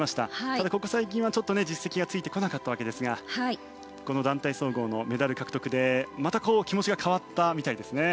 ただここ最近は、実績がついてこなかったわけですがこの団体総合のメダル獲得でまた気持ちが変わったみたいですね。